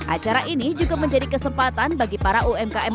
acara ini juga menjadi kesempatan bagi para umkm